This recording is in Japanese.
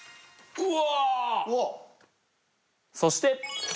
うわ。